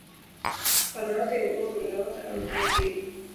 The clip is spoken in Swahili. Mfano wake ni umbo la unga au pia kioo.